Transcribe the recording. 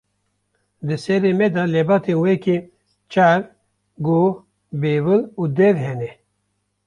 Di serê me de lebatên weke: çav, guh, bêvil û dev hene.